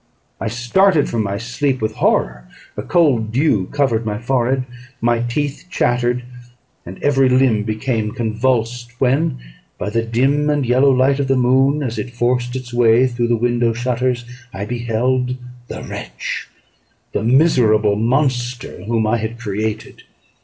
I started from my sleep with horror; a cold dew covered my forehead, my teeth chattered, and every limb became convulsed: when, by the dim and yellow light of the moon, as it forced its way through the window shutters, I beheld the wretch the miserable monster whom I had created.